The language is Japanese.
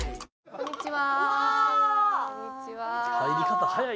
こんにちは。